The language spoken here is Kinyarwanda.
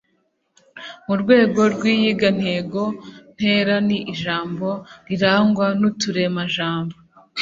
mu rwego rw iyigantego ntera ni ijambo rirangwa n uturemajambo